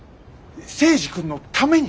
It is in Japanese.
征二君のために。